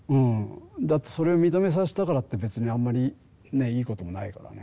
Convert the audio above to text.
だってそれを認めさせたからって別にあんまりねえいいこともないからね。